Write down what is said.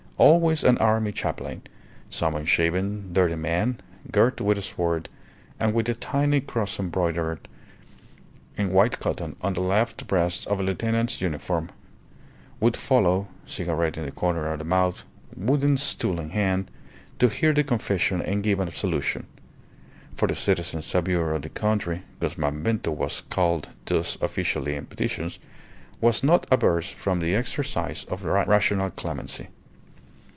Always an army chaplain some unshaven, dirty man, girt with a sword and with a tiny cross embroidered in white cotton on the left breast of a lieutenant's uniform would follow, cigarette in the corner of the mouth, wooden stool in hand, to hear the confession and give absolution; for the Citizen Saviour of the Country (Guzman Bento was called thus officially in petitions) was not averse from the exercise of rational clemency.